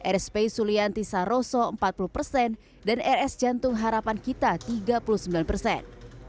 rspi sulianti saroso empat puluh persen dan rs jantung harapan kita tiga puluh sembilan persen